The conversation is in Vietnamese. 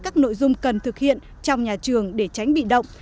các nội dung cần thực hiện trong nhà trường để tránh bị động